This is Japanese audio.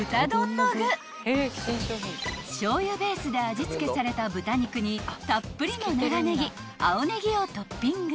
［しょうゆベースで味付けされた豚肉にたっぷりの長ネギ青ネギをトッピング］